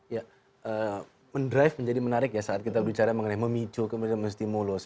ya mendrive menjadi menarik ya saat kita bicara mengenai memicu kemudian menstimulus